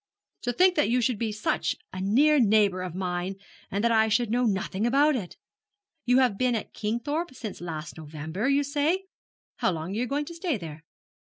'To think that you should be such a near neighbour of mine, and that I should know nothing about it! You have been at Kingthorpe since last November, you say? How long are you going to stay there?'